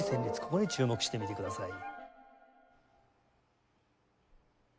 ここに注目してみてください。